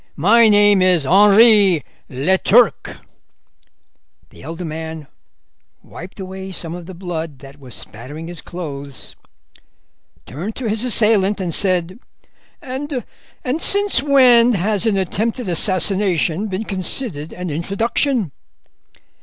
My name is Henri Leturc.' The elder man wiped away some of the blood that was spattering his clothes, turned to his assailant, and said: 'And since when has an attempted assassination been considered an introduction?